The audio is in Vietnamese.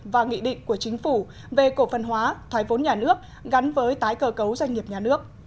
và nghị định của chính phủ về cổ phần hóa thoái vốn nhà nước gắn với tái cờ cấu doanh nghiệp nhà nước